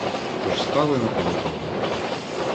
Тож стали напоготові.